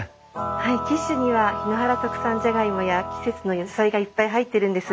はいキッシュには檜原特産じゃがいもや季節の野菜がいっぱい入ってるんです。